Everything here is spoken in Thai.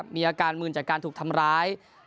มีอาการมืนจากการถูกทำร้าย